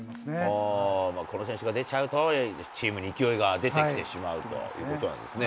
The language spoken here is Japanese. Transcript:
この選手が出ちゃうとチームに勢いが出てきてしまうということなんですね。